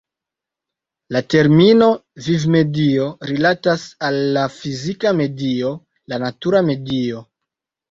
La termino "vivmedio" rilatas al la fizika medio, la natura medio.